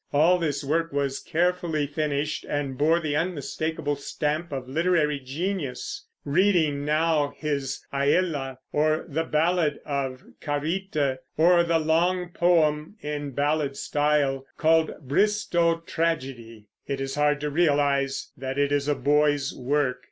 All this work was carefully finished, and bore the unmistakable stamp of literary genius. Reading now his "Ælla," or the "Ballad of Charite," or the long poem in ballad style called "Bristowe Tragedie," it is hard to realize that it is a boy's work.